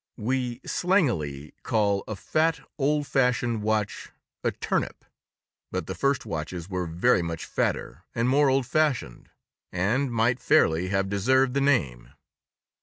We slangily call a fat, old fashioned watch a turnip; but the first watches were very much fatter and more old fashioned, and might fairly have deserved the name.